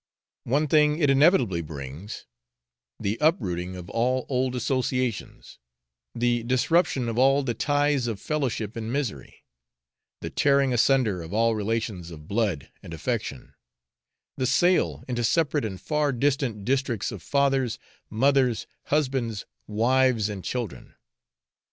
One thing it inevitably brings, the uprooting of all old associations; the disruption of all the ties of fellowship in misery; the tearing asunder of all relations of blood and affection; the sale into separate and far distant districts of fathers, mothers, husbands, wives, and children.